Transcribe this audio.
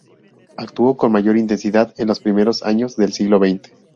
Actuó con mayor intensidad en los primeros años del siglo veinte.